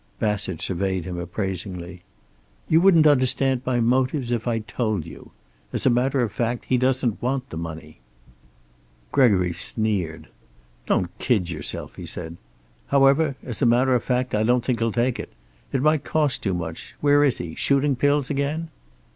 Bassett surveyed him appraisingly. "You wouldn't understand my motives if I told you. As a matter of fact, he doesn't want the money." Gregory sneered. "Don't kid yourself," he said. "However, as a matter of fact I don't think he'll take it. It might cost too much. Where is he? Shooting pills again?"